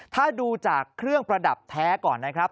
ถ้าดูจากเครื่องประดับแท้ก่อนนะครับ